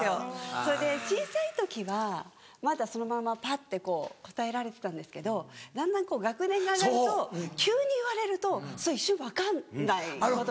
それで小さい時はまだそのままパッて答えられてたんですけどだんだん学年が上がると急に言われると一瞬分かんないことが。